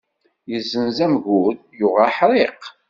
Yezzenz amgud yuɣ aḥriq.